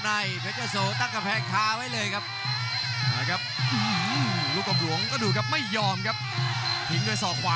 ด้วยขาวขวารูปหลวงมัด